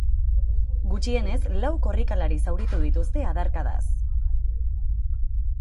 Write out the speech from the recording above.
Gutxienez lau korrikalari zauritu dituzte adarkadaz.